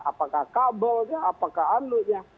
apakah kabelnya apakah anutnya